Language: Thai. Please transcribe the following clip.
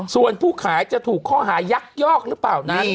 ส่วนผู้ขายจะถูกข้อหายักยอกหรือเปล่านั้น